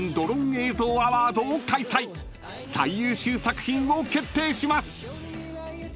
［最優秀作品を決定します］